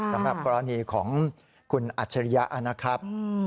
สำหรับกรณีของคุณอัจฉริยะนะครับ